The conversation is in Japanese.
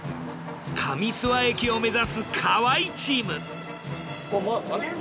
上諏訪駅を目指す河合チーム。